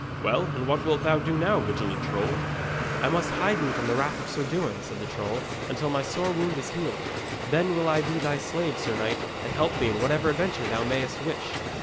'Well, and what wilt thou do now, valiant troll?' 'I must hide me from the wrath of Sir Dewin,' said the troll, 'until my sore wound is healed. Then will I be thy slave, sir knight, and help thee in whatever adventure thou mayst wish!'